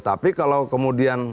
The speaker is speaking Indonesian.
tapi kalau kemudian